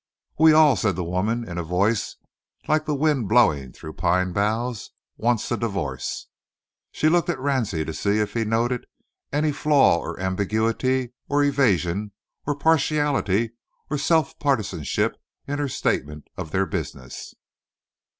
"We all," said the woman, in a voice like the wind blowing through pine boughs, "wants a divo'ce." She looked at Ransie to see if he noted any flaw or ambiguity or evasion or partiality or self partisanship in her statement of their business.